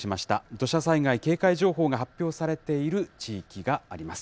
土砂災害警戒情報が発表されている地域があります。